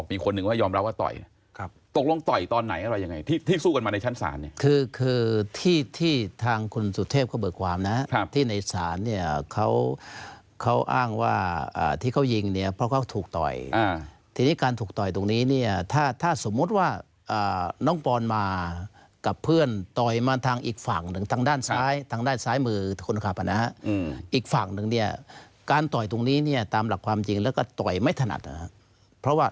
อีกฝั่งหนึ่งเนี่ยการต่อยตรงนี้เนี่ยตามหลักความจริงแล้วก็ต่อยไม่ถนัดนะครับ